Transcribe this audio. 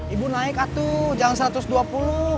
ibu naik satu jangan rp satu ratus dua puluh